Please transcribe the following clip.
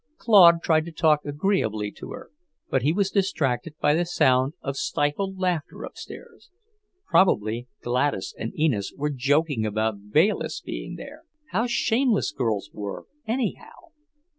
Claude tried to talk agreeably to her, but he was distracted by the sound of stifled laughter upstairs. Probably Gladys and Enid were joking about Bayliss' being there. How shameless girls were, anyhow!